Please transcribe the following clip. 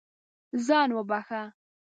ځان وبښه.